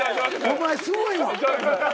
お前すごいわ。